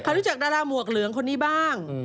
รู้จักดาราหมวกเหลืองคนนี้บ้าง